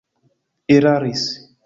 eraris